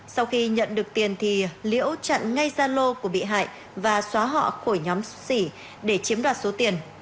sau khi nhận được tiền thì liễu chặn ngay gia lô của bị hại và xóa họ khỏi nhóm xỉ để chiếm đoạt số tiền